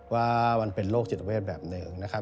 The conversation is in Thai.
ว่ามันเป็นโรคจิตเวทแบบหนึ่งนะครับ